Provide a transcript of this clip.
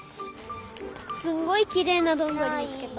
すんごいきれいなどんぐりみつけた。